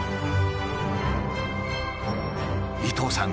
伊東さん